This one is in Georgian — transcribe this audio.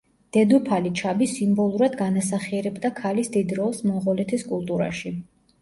დედოფალი ჩაბი სიმბოლურად განასახიერებდა ქალის დიდ როლს მონღოლეთის კულტურაში.